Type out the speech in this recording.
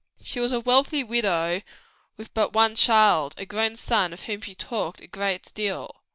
She was a wealthy widow with but one child, a grown up son, of whom she talked a great deal.